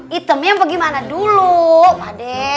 hitamnya mau gimana dulu pakde